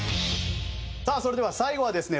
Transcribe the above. さあそれでは最後はですね